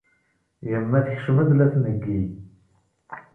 Yemma tekcem-d la tneggi.